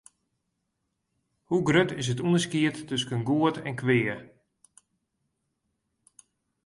Hoe grut is it ûnderskied tusken goed en kwea?